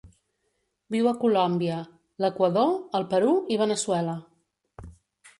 Viu a Colòmbia, l'Equador, el Perú i Veneçuela.